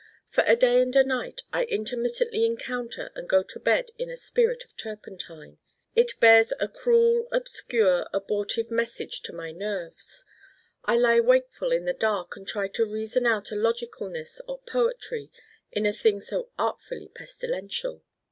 For a day and a night I intermittently encounter and go to bed in a spirit of Turpentine. It bears a cruel obscure abortive message to my nerves. I lie wakeful in the dark and try to reason out a logicalness or poetry in a thing so artfully pestilential.